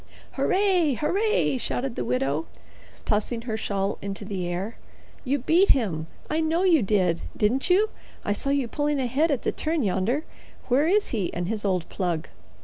"Hooray! hooray!" shouted the widow, tossing her shawl into the air. "You beat him. I know you did. Didn't you? I saw you pulling ahead at the turn yonder. Where is he and his old plug?"